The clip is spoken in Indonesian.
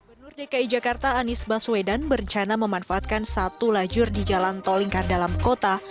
benur dki jakarta anies baswedan berencana memanfaatkan satu lajur di jalan toling kardalam kota